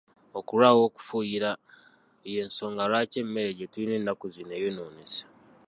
Okulwawo okufuuyira y'ensonga lwaki emmere gye tulina ennaku zino eyonoonese.